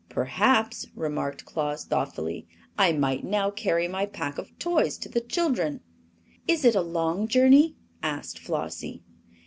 "Perhaps," remarked Claus, thoughtfully, "I might now carry my pack of toys to the children." "Is it a long journey?" asked Flossie.